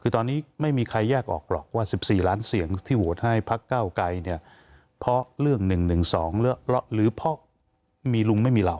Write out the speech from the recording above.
คือตอนนี้ไม่มีใครแยกออกหรอกว่า๑๔ล้านเสียงที่โหวตให้พักเก้าไกรเนี่ยเพราะเรื่อง๑๑๒หรือเพราะมีลุงไม่มีเรา